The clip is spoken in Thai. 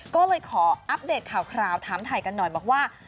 ก็เลยขออัปเดตข่าวถามถ่ายกันหน่อยบอกว่า